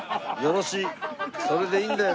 それでいいんだよ